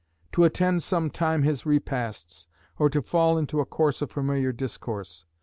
To attend some time his repasts, or to fall into a course of familiar discourse.